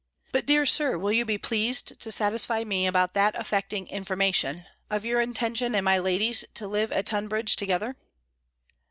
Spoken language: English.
But, dear Sir, will you be pleased, to satisfy me about that affecting information, of your intention and my lady's to live at Tunbridge together?"